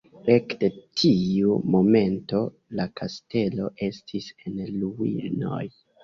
Ekde tiu momento, la kastelo estis en ruinoj.